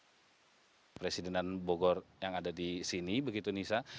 presidenan bogor yang ada di sini begitu nisa